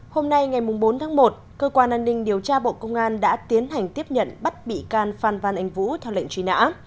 hôm nay ngày bốn tháng một cơ quan an ninh điều tra bộ công an đã tiến hành tiếp nhận bắt bị can phan văn anh vũ theo lệnh truy nã